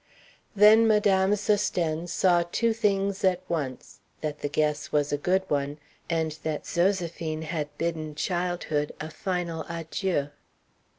Then Madame Sosthène saw two things at once: that the guess was a good one, and that Zoséphine had bidden childhood a final "adjieu."